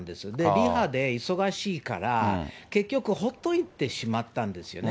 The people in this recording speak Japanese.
リハで忙しいから、結局ほっといてしまったんですよね。